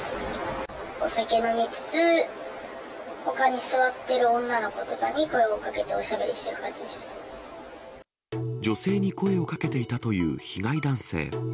お酒飲みつつ、ほかに座ってる女の子とかに声をかけておしゃべりしている感じで女性に声をかけていたという被害男性。